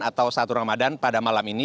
atau satu ramadan pada malam ini